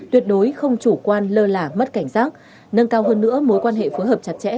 tuyệt đối không chủ quan lơ là mất cảnh giác nâng cao hơn nữa mối quan hệ phối hợp chặt chẽ